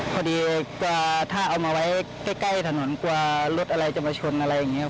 พอดีกลัวถ้าเอามาไว้ใกล้ถนนกลัวรถอะไรจะมาชนอะไรอย่างนี้